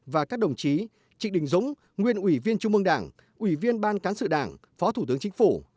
và các đồng chí trịnh đình dũng nguyên ủy viên trung ương đảng ủy viên ban cán sự đảng phó thủ tướng chính phủ